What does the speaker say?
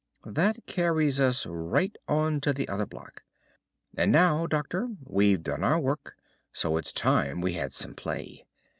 That carries us right on to the other block. And now, Doctor, we've done our work, so it's time we had some play.